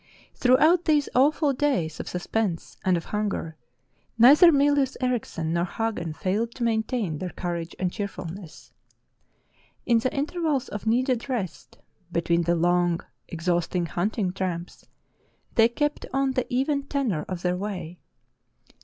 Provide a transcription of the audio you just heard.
Throughout these awful days of suspense and of hunger neither Mylius Erichsen nor Hagen failed to maintain their courage and cheerfulness. In the inter vals of needed rest between the long, exhausting hunt ing tramps, they kept on the even tenor of their way.